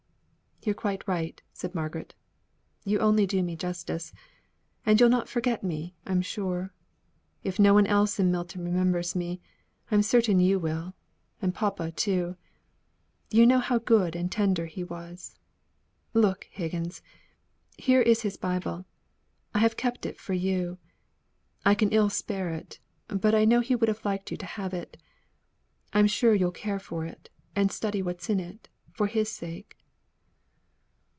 "You're quite right," said Margaret. "You only do me justice. And you'll not forget me, I'm sure. If no one else in Milton remembers me, I'm certain you will; and papa too. You know how good and tender he was. Look, Higgins! here is his bible. I have kept it for you. I can ill spare it; but I know he would have liked you to have it. I'm sure you'll care for it, and study what is in it, for his sake."